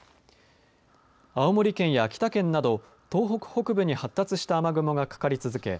青森県や秋田県など東北北部に発達した雨雲がかかり続け